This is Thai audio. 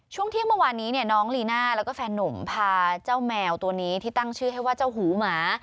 ช่วงเที่ยงเมื่อวานนี้เนี่ยน้องลีน่าแล้วก็แฟนนุ่มพาเจ้าแมวตัวนี้ที่ตั้งชื่อให้ว่าเจ้าหูหมา